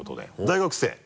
大学生？